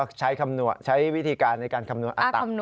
ก็ใช้คำใช้วิธีการในการคำนวณอัต